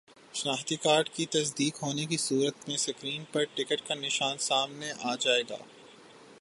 شناختی کارڈ کی تصدیق ہونے کی صورت میں سکرین پر ٹک کا نشان سامنے آ جائے گا